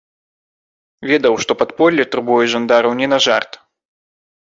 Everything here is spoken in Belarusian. Ведаў, што падполле турбуе жандараў не на жарт.